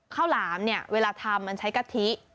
ข้าวหลามเวลาทำมันใช้กะทิ